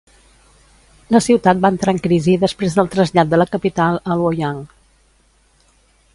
La ciutat va entrar en crisi després del trasllat de la capital a Luoyang.